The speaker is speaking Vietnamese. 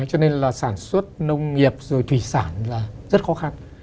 cho nên là sản xuất nông nghiệp rồi thủy sản là rất khó khăn